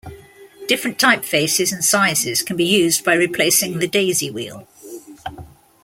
Different typefaces and sizes can be used by replacing the daisy wheel.